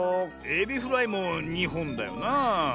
エビフライも２ほんだよなあ。